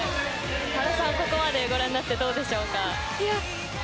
原さん、ここまでご覧になってどうでしょうか？